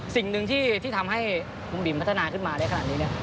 สิ่งหนึ่งที่ทำให้ลุงบิ๋มพัฒนาขึ้นมาได้ขนาดนี้